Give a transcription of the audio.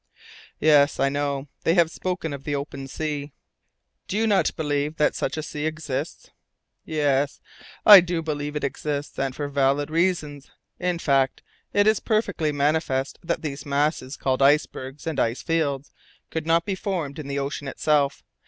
"Yes, I know; they have spoken of the open sea." "Do you not believe that such a sea exists?" "Yes, I do believe that it exists, and for valid reasons. In fact, it is perfectly manifest that these masses, called icebergs and ice fields, could not be formed in the ocean itself.